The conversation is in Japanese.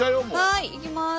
はい行きます。